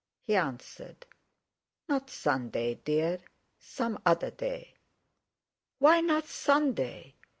He answered: "Not Sunday, dear; some other day!" "Why not Sunday?